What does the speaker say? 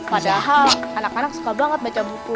padahal anak anak suka banget baca buku